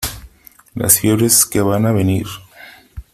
las fiebres , que van a venir .